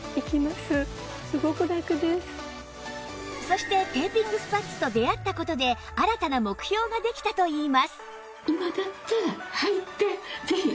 そしてテーピングスパッツと出会った事で新たな目標ができたといいます